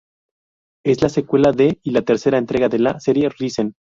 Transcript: Es la secuela de y la tercera entrega de la serie Risen.